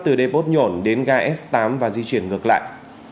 từ depot nhổn đến gai s tám và di chuyển ngược lại